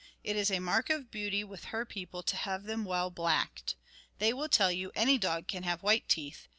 It is a mark of beauty with her people to have them well blacked. They will tell you, "Any dog can have white teeth."